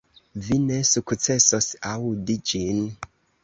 Vi ne sukcesos aŭdi ĝin.